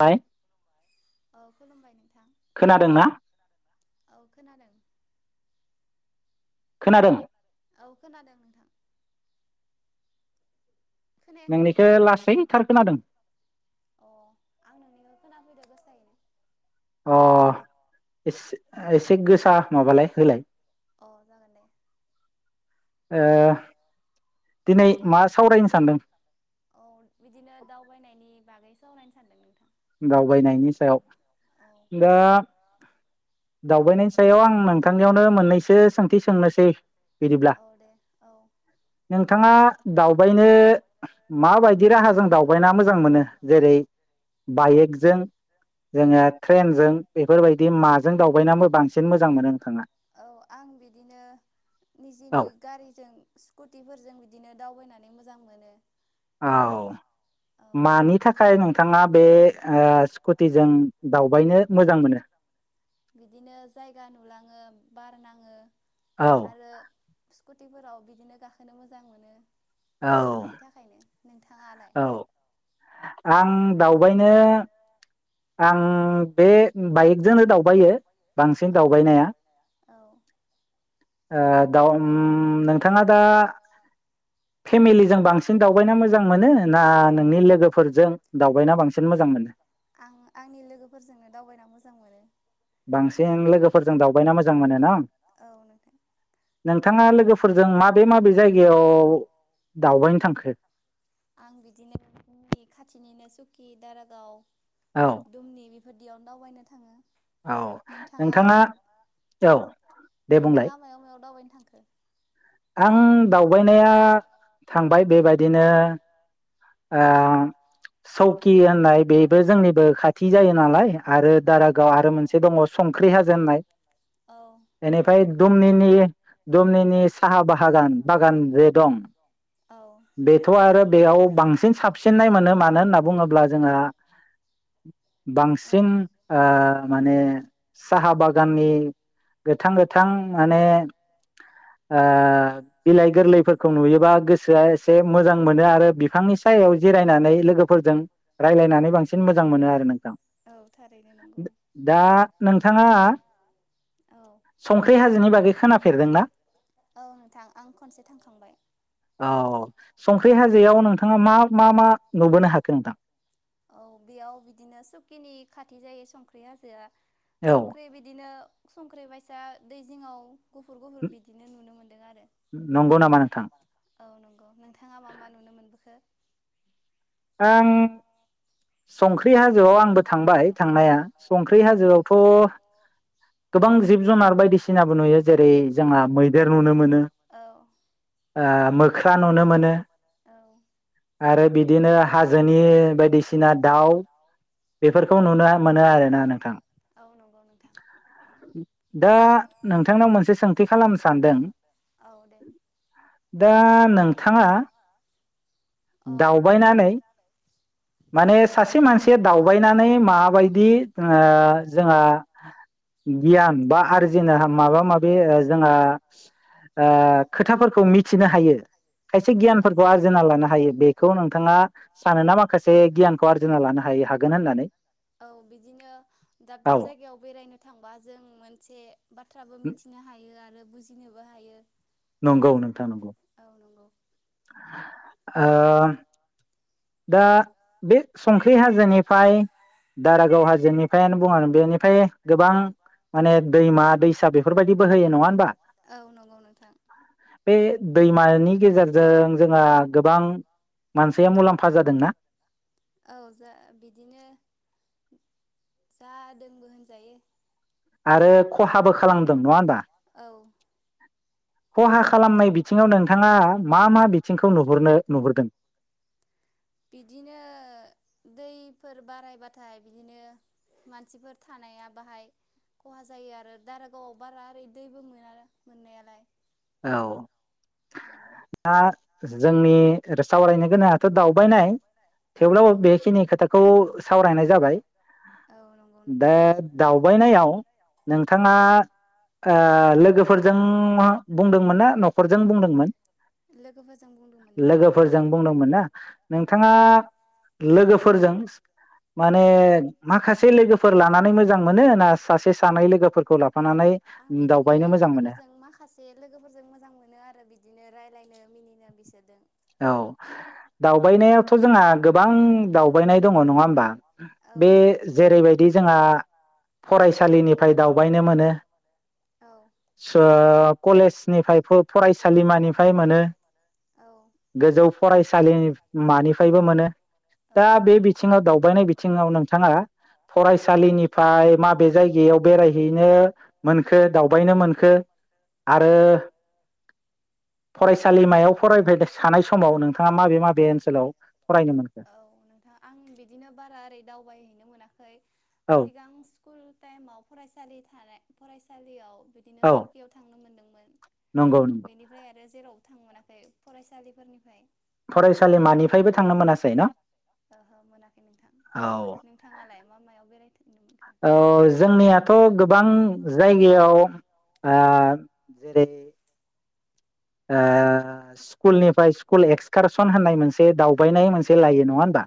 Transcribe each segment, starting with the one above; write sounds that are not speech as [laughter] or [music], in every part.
बाय खुलुमबाय नोंथां खोनादोंना औ खोनादों खोनादों औ खोनादों नोंथां नोंनिखौ लासैथार खोनादों अ आं नोंनिखौ खोनाफैदो गोसायैनो अ एसे एसे गोसा सा माबालाय होलाय ओ। नोंथाङा औ बिदिनो दावबायनायनि बागै। सावरायनो सानदोंमोन। दावबायनायनि सायाव दा। दावबायनायनि सायाव आं नोंथांनियावनो मोननैसो सोंथि सोंनोसै। बिदिब्ला नोंथाङा दावबायनो माबायदि राहाजों दावबायना मोजां मोनो जेरै। बाइकजों जोङो ट्रेनजों बेफोरबायदि माजों दावबायनानैबो बांसिन मोजां मोनो नोंथाङा। निजेनि गारिजों स्कुटिफोरजों बिदिनो दावबायनो। दावबायनानै मोजां मोनो। औ। मानि थाखाय नोंथाङा बे। स्कुटिजों दावबायनो मोजां मोनो। बिदिनो जायगा नुलाङो बार नाङो। आरो। स्कुटिफोराव बिदिनो गाखोनो मोजां मोनो। बिनि थाखायनो नोंथाङा। औ आं दावबायनो। आं बे बाइकजोंनो दावबायो। बांसिन दावबायनाया। नोंथाङा दा फेमिलिजों बांसिन दावबायना मोजां मोनो। ना नोंनि लोगोफोरजों दावबायना बांसिन मोजां मोनो। जों लोगोफोरजों दावबायना मोजां मोनो ना। औ नोंथां। नों। नोंथाङा लोगोफोरजों माबे माबे जायगायाव दावबायनो थांखो। आं बिदिनो नै खाथिनिनो सौकि दारागाव। दुमनि। बिदियावनो दावबायनो थाङो। औ नोंथाङा औ। नोंथाङा मायाव मायाव दावबायनो थांखो। आं दावबायनाया थांबाय बेबायदिनो ओ सौकि होननाय बेबो जोंनिबो खाथि जायो नालाय आरो। दारागाव आरो मोनसे दङ संख्रि हाजो होननाय बेनिफ्राय दुमनिनि। दुमनिनि। साहा बागान बागान जे दं, बेथ' आरो बेयाव बांसिन साबसिननाय मोनो मानो होनना बुङोब्ला जोंङो बांसिन ओ माने साहा बागाननि गोथां गोथां माने ओ बिलाइ गोरलैफोरखौ नुयोबा गोसोआ एसे मोजां मोनो आरो बिफांनि सायाव जिरायनानै लोगोफोरजों रायलायनानै बांसिन मोजां मोनो आरो नोंथां। दा नोंथाङा संख्रि हाजोनि बागै खोनाफेरदोंना? औ नोंथां आं खनसे थांखांबाय। बेै हाजोआव नोंथाङा मा मा मा नुबोनो हाखो नोंथां? औ बेयाव बिदिनो सुकिनि खाथि जायो संख्रि हाजोआ। संख्रि बिदिनो संख्रि बायसा दै जिंआव गुफुर गुफुर बिदिनो नुनो मोन्दों आरो। औ नंगौ नोंथाङा मा मा नुनो मोनबोखो? आं संख्रि हाजोआव आंबो थांबाय थांनाया संख्रि हाजोआवथ' गोबां जिब जुनार बायदिसिनाबो नुयो जेरै जोंहा मैदेर नुनो मोनो, ओ मोख्रा नुनो मोनो आरो बि बिदिनो हाजोनि बायदिसिना दाउ दाउ बेफोरखौ नुनो मोनो आरोना नोंथां। दा नोंथांनाव मोनसे सोंथि खालामनो सानदों दा नोंथाङा दावबायनानै माने सासे मानसिया दावबायनानै माबायदि ओ जोंहा गियान बा आरजिनो माबा माबि जोंहा ओ खोथाफोरखौ मिथिनो हायो खायसे गियानफोरखौ आरजिना लानो हायो। बेखौ नोंथाङा सानोना माखासे गियान औ बिदिनो दाब दाब जायगायाव बेरायनो थांबा जों मोनसे बाथ्राबो मिथिनो हायो आरो बुजि जिनोबो हायो। नंगौ नोंथां नंगौ। ओ दा बे संख्रि हाजोनिफाय दारागाव हाजोनिफाय आनो बुङा बेनिफाय गोबां माने दैमा दैसा बेफोरबायदि बोहोयो नङा होमबा? औ नंगौ नोंथां। बे दैमानि गेजेरजों जोंहा गोबां मानसिया मुलाम फा जादों ना? औ जा बिदिनो जा दोंबो होनजायो। आरो ख'हाबो खालामदों नङा होनबा? ख'हा खालामनाय बिथिङाव नोंथाङा मा मा बिथिंखौ नुहुरनो नुहुरदों? बिदिनो दैफोर बारायबाथाय बिदिनो मानसिफोर थानाया बाहाय ख'हा जायो आरो दारागावआव बारा ओरै दै बो मोना मोननायालाय। औ दा जोंनि सावरायनो गोनाङाथ' दावबायनाय थेवब्लाबो बेखिनि खोथाखौ सावरायनाय जाबाय। दा दावबाय नायाव नोंथांङा ओ लोगोफोरजों बुंदोंमोन ना न'खरजों बुंदोंमोन? लोगोफोरजों बुंदोंमोन ना नोंथांआ लोगोफो फोरजों माने माखासे लोगोफोर लानानै मोजां मोनो सासे सानै लोगोफोरखौ ल' फानानै उम दावबायनो मोजां मोनो? से लोगोफोरजों मोजां मोनो आरो बिदिनो राय्लायनो मिनिनो बिसोरजों। औ दावबायनायावथ' जोंहा गोबां दावबायनाय दङ नङा होम बा? बे जेरैबायदि जोंहा फरायसालिनिफ्राय दावबायनो मोनो [unintelligible] कलेजनिफाय फ-फरायस सालिमानिफ्राय मोनो। गोजौ फरायसालिनि मानिफायबो मोनो दा बे बिथिङाव दावबायनाय बिथिङाव नोंथाङा फरायसालिनिफाय माबे जायगायाव बेरायहैनो मोनखो दावबायनो मोनखो आरो फरायसालिमायाव फराय फायदो औ नोंथां आं बिदिनो बारा ओरै दावबायहैनो मोनाखै। सिगां स्कुल टाइमाव फरायसालि थानाय फरायसालियाव बिदिनो सुकियाव थांनो मोनदों। नंगौ नंगौ। आरो जेरावबो थां मोनाखै फरायसालिफोरनिफ्राय फरायसालिमानिफ्रायबो थांनो मोनासै ना। ओहो मोनाखै नोंथां नोंथाङालाय मा मायाव बेरायखो ओ जोंनियाथ' गोबां जायगायाव ओ जेरै ओ स्कुलनिफ्राय स्कुल एक्सकारसन होननाय मोनसे दावबायनाय मोनसे लायो नङा होमबा।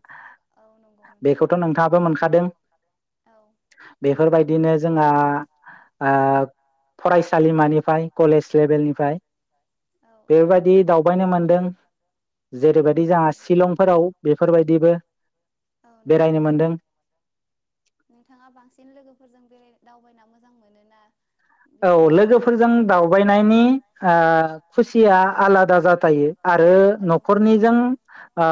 बेखौथ' नोंथाङाबो मोनखादों बेफोरबायदिनो जोंहाआ फरायसालिमानिफ्राय कलेज लेभेलनिफ्राय बेफोरबायदि दावबायनो मोनदों जेरैबायदि जोंहा शिलंफोराव बेफोरबायदिबो औ नंगौ नोंथां नोंथाङा बांसिन लोगोफोरजों बेराय। दावबायना मोजां मोनो ना। औ लोगोफोरजों दावबायनायनि आ खुसिया आलादा जाथारो आरो न'खरनिजों ओ।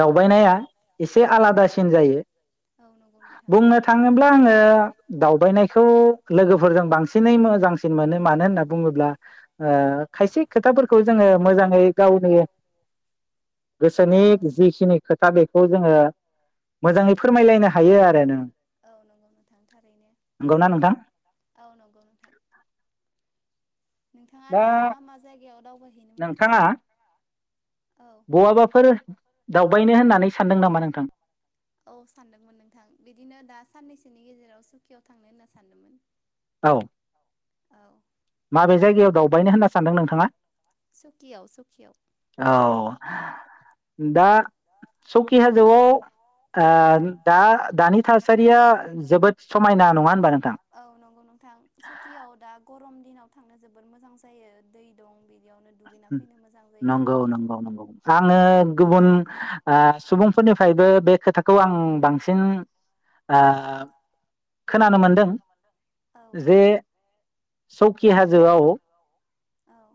दावबायनाया। इसे आलादासिन जायो बुंनो थांङोब्ला आंङो दावबायनायखौ। लोगोफोरजों बांसिनै मोजांसिन मोनो मानो होनना बुङोंब्ला ओ खायसे खोथाफोरखौ जोंङो मोजाङै गावनो गोसोनि जिखिनि खोथा बेखौ जोंङो। ओ मोजाङै फोरमायलायनो हायो आरो नों नंगौना नोंथां। औ नंगौ नोंथां नोंथाङा दा मा मा जायगायाव दावबायहैनो मोनखो औ। औ सानदोंमोन नोंथां बिदिनो दा। साननैसोनि गेजेराव सुकियाव थांनो होनना सानदोंमोन। औ माबे जायगायाव दावबायनो होनना सानदों नोंथांङा औ। दा सकि हाजोआव ओ दा दानि थासारिया जोबोद समायना नङा होनबा नोंग। औ नगौ नंग। थां सकियाव दा गरथ। गरम दिनाव थांनो जोबोर मोजां जायो दै दं बिदियावनो। नंगौ नंगौ नंगौ आंङो गुबुन सुबुंफोरनिफ्रायबो बे खोथाखौ आं बांसिन। ओ खोनानो मोनदों जे सक। खि हाजोआव।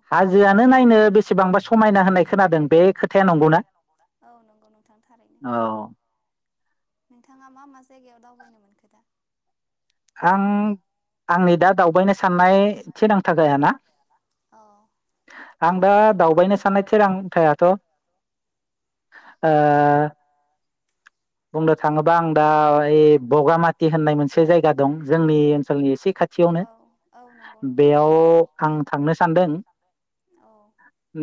हाजोआनो नायनो बेसिबांबा समायना होननाय खोनादों बे खोथाया नंगौना औ। नोंथाङा मा मा जायगायाव दावबायनो मोनखो दा। आं। आंनि दा दावबायनो साननाय थिरांथा गायाना आं दा दावबायनो साननाय थिरांथायाथ'। ओ। बुंनो थाङोब। बा आं दा ओइ बगामाति होननाय मोनसे जायगा दं जोंनि ओनसोलनि इसे खाथियावनो बेयाव आं थांनो सानदों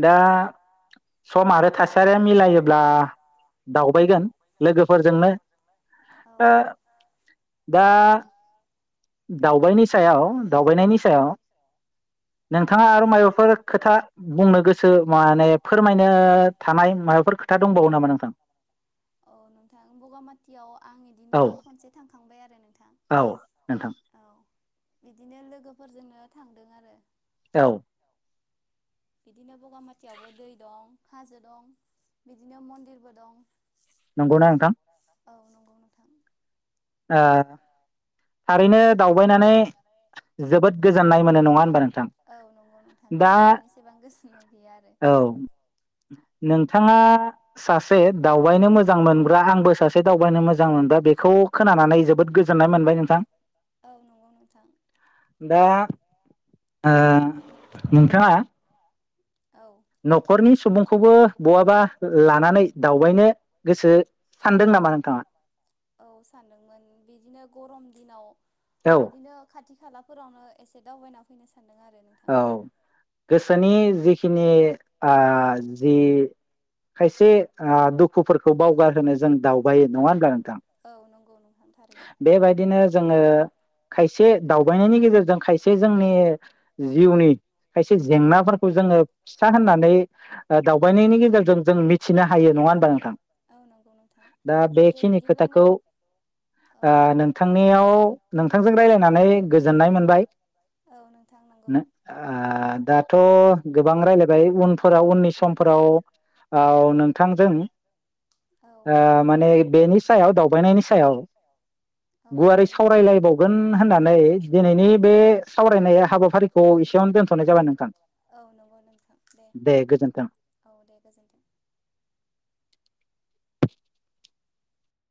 दा सम आरो थासारिया मिलायोब्ला दावबायगोन। लोगोफोरजोंनो। ओ दा दावबायनिस। सायाव दावबायनायनि सायाव नोंथांङा आरो मायबाफोर खोथा बुंनो गोसो माने फोरमायनो थानाय मायबाफोर खोथा दंबावो नामा नोंथां। बगामाथियाव आं इदिनो खनसे थांखांबाय आरो नोंथां औ औ। बिदिनो लोगोफोरजोंनो थांदों आरो। औ। बिदिनो बगामाथियावबो दै दं हाजो दं बिदिनो मन्दिरबो दं। नंगौना नोथां। औ नंगौ नोंथां। ओ। थारैनो दावबायनानै जोबोद गोजोननाय मोन नङा होनबा नों औ नंगौ नोंथां दावबायनायनि एसेबां गोजोननाय गैया आरो थांङा सासे दावबायनो मोजां मोनग्रा आंबो सासे दावबायनो मोजां मोनग्रा बेखौ खोनानानै जोबोद गोजोननाय मोनबाय नोंथां दा ओ ओ नोंथाङा औ न'खरनि सुबुंखौबो बहाबा लानानै दावबायनो गोसो सानदों नामा नोंथाङा औ सानदोंमोन बिदिनो गरम दिनाव बिदिनो खाथि खालाफोरावनो एसे दावबायना फैनो सै औ गोसोनि जिख खिनि आ जि खायसे आ दुखुफोरखौ बावगारहोनो जों दावबायो नङा होनब्ला नों थां बेबायदिनो जोङो खायसे दावबायनायनि गेजेरजों खायसे जोंनि जिउनि खायसे जेंनाफोर खौ जोङो फिथा होननानै आ दावबायनायनि गेजेरजों जों मिथिनो हायो नङा होनबा नोंथां दा बेखिनि खोथाखौ आ नोंथांनियाव नोंथां जों रायलायनानै गोजोननाय मोनबाय औ। नो आ दाथ' गोबां रायलायबाय उनफोराव उननि समफोराव आव नोंथांजों आ माने बेनि सायाव दावबायनायनि सायाव गुवारै सावरायलायबावगोन होननानै दिनैनि बे सावरायनाय हाबाफारिख थ' एसेयावनो दोनथ'नाय जाबाय नोंथां दे गोजोन्थों